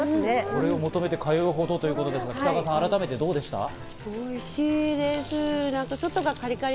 これを求めて通うほどということですが、北川さん、改めてどうでしたか？